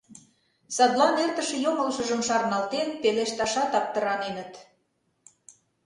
Садлан эртыше йоҥылышыжым шарналтен пелешташат аптыраненыт.